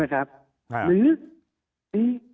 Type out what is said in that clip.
หรือ